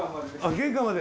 玄関まで。